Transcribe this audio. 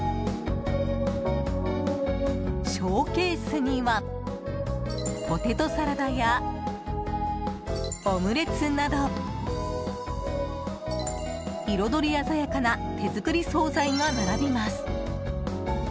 ショーケースにはポテトサラダやオムレツなど彩り鮮やかな手作り総菜が並びます。